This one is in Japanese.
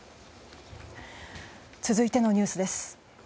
続いてのニュースです。